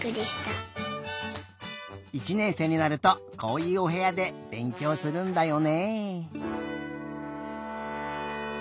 １年生になるとこういうおへやでべんきょうするんだよね。